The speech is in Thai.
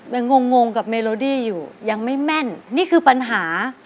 งงงกับเมโลดี้อยู่ยังไม่แม่นนี่คือปัญหา